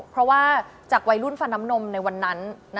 เพราะว่าจากวัยรุ่นฟันน้ำนมในวันนั้น